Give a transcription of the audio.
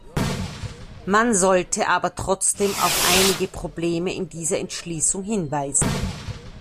Man sollte aber trotzdem auf einige Probleme in dieser Entschließung hinweisen.